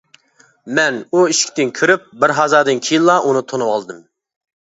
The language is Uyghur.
مەن ئۇ ئىشىكتىن كىرىپ بىر ھازادىن كېيىنلا ئۇنى تونۇۋالدىم.